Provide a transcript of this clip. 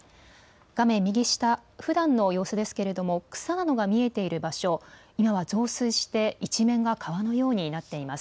画面右下、ふだんの様子ですけれども草などが見えている場所、今は増水して一面が川のようになっています。